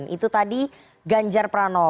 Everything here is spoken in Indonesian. itu tadi ganjar pranowo